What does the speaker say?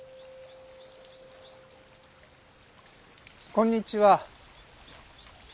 こんにちは。